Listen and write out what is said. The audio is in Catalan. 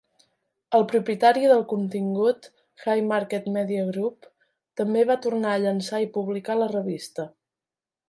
El propietari del contingut, Haymarket Media Group, també va tornar a llençar i publicar la revista.